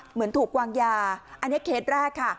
เหมือนถูกวางยาอันนี้เคสแรกค่ะ